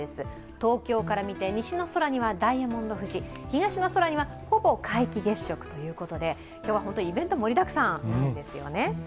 東京から見て西の空にはダイヤモンド富士、東の空にはほぼ皆既月食ということで今日は本当にイベント盛りだくさんなんですよね。